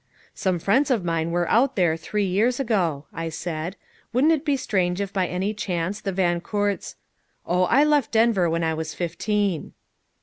"Some friends of mine were out there three years ago," I said. "Wouldn't it be strange if by any chance the Van Coorts " "Oh, I left Denver when I was fifteen."